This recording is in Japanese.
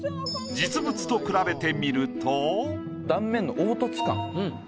実物と比べてみると。